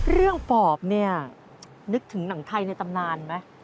เรื่องปอบนี่นึกถึงหนังไทยในตำนานไหม